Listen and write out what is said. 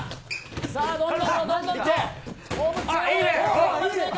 さあ、どんどん、どんどんと。